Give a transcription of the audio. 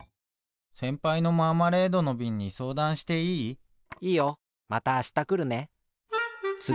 せんぱいのマーマレードのびんにそうだんしていい？いいよ。またあしたくるね。